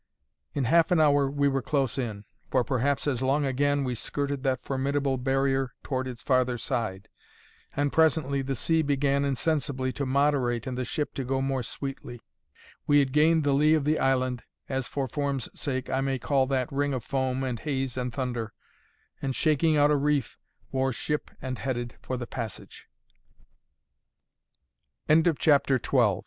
In half an hour we were close in; for perhaps as long again, we skirted that formidable barrier toward its farther side; and presently the sea began insensibly to moderate and the ship to go more sweetly. We had gained the lee of the island as (for form's sake) I may call that ring of foam and haze and thunder; and shaking out a reef, wore ship and headed for the passage. CHAPTER XIII. THE ISLAND AND THE WREC